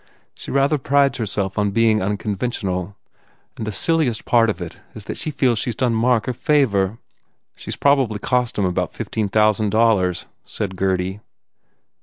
She rather prides her self on being unconventional. And the silliest part of it is that she feels she s done Mark a favour." "She s probably cost him about fifteen thousand dollars," said Gurdy.